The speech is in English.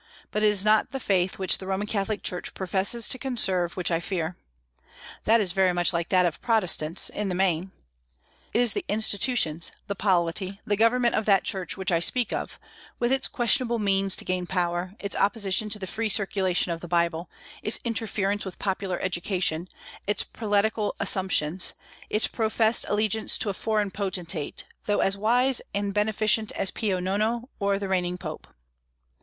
But it is not the faith which the Roman Catholic Church professes to conserve which I fear. That is very much like that of Protestants, in the main. It is the institutions, the polity, the government of that Church which I speak of, with its questionable means to gain power, its opposition to the free circulation of the Bible, its interference with popular education, its prelatical assumptions, its professed allegiance to a foreign potentate, though as wise and beneficent as Pio Nono or the reigning Pope.